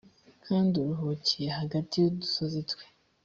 kandi uruhukiye hagati y’udusozi twe.